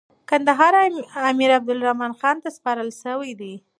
کندهار امیر عبدالرحمن خان ته سپارل سوی دی.